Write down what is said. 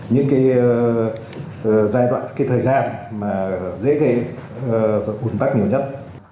những cái giai đoạn cái thời gian mà dễ gây ủn tắc nhiều nhất